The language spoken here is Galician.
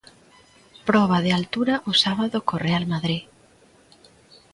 Proba de altura o sábado co Real Madrid.